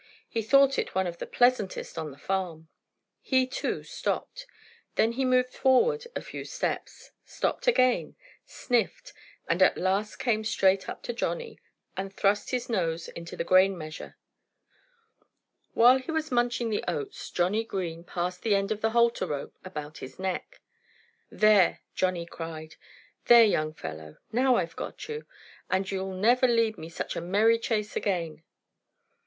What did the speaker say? He thought it one of the pleasantest on the farm. He, too, stopped. Then he moved forward a few steps, stopped again, sniffed, and at last came straight up to Johnnie and thrust his nose into the grain measure. While he was munching the oats Johnnie Green passed the end of the halter rope about his neck. "There!" Johnnie cried. "There, young fellow! Now I've got you. And you'll never lead me such a merry chase again."